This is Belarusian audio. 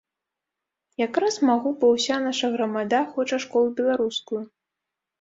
Якраз магу, бо ўся наша грамада хоча школу беларускую!